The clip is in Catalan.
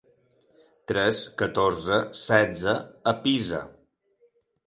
Tres, catorze, setze a Pisa.